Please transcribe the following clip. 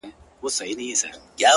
هغه مړ له مــسته واره دى لوېـدلى.!